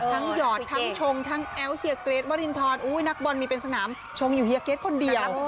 หยอดทั้งชงทั้งแอ้วเฮียเกรทวรินทรนักบอลมีเป็นสนามชงอยู่เฮียเกรทคนเดียว